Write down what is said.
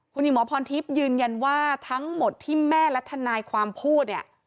คุณหญิงหมอพรทิพย์ยืนยันว่าทั้งหมดที่แม่และทนายความพูดเนี่ย